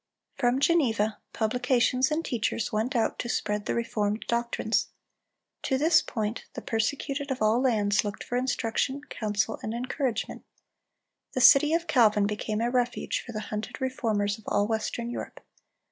From Geneva, publications and teachers went out to spread the reformed doctrines. To this point the persecuted of all lands looked for instruction, counsel, and encouragement. The city of Calvin became a refuge for the hunted Reformers of all Western Europe.